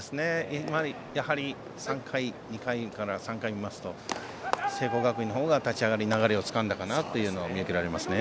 やはり２回から３回、見ますと聖光学院のほうが立ち上がり流れをつかんだかなというのが見受けられますね。